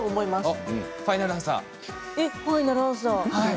えっファイナルアンサー。